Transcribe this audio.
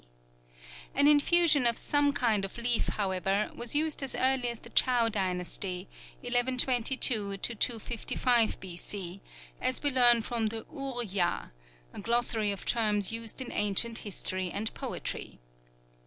D. An infusion of some kind of leaf, however, was used as early as the Chow dynasty, 1122 255 B.C., as we learn from the Urh ya, a glossary of terms used in ancient history and poetry.